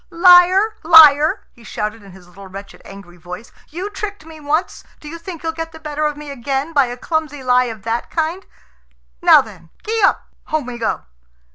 "Liar, liar!" he shouted in his little, wretched, angry voice. "You tricked me once. Do you think you'll get the better of me again by a clumsy lie of that kind? Now then. Gee up! Home we go."